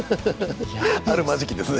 あるまじきですね。